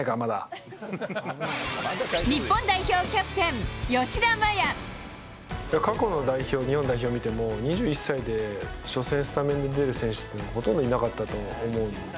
日本代表キャプテン、過去の代表、日本代表を見ても、２１歳で初戦スタメンで出る選手って、ほとんどいなかったと思うんです。